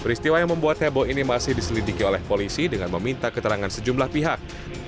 peristiwa yang membuat heboh ini masih diselidiki oleh polisi dengan meminta keterangan sejumlah pihak